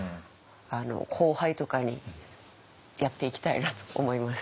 後輩とかにやっていきたいなと思います。